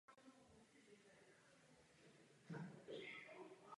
Samo o sobě to však nestačí.